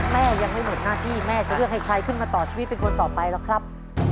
แม่ยังไม่หมดหน้าที่แม่จะเลือกให้ใครขึ้นมาต่อชีวิตเป็นคนต่อไปหรอกครับ